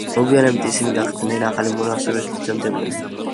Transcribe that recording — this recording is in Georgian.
მოგვიანებით ისინი გახდნენ ახალი მონასტრების ფუძემდებლები.